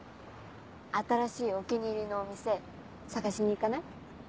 新しいお気に入りのお店探しに行かない？